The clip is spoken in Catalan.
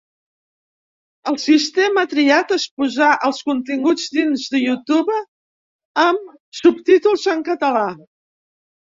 El sistema triat és posar els continguts dins de YouTube amb subtítols en català.